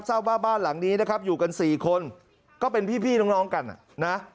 ทราบว่าบ้านหลังนี้นะครับอยู่กัน๔คนก็เป็นพี่น้องกันนะ